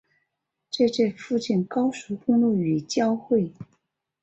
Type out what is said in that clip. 在这附近高速公路与交汇。